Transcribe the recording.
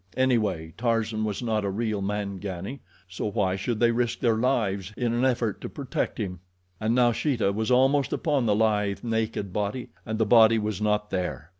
Anyway, Tarzan was not a real Mangani, so why should they risk their lives in an effort to protect him? And now Sheeta was almost upon the lithe, naked body, and the body was not there.